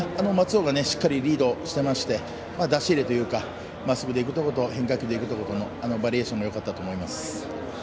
松尾がしっかりリードして出し入れしたりまっすぐでいくところ変化球でいくところのバリエーションもよかったと思います。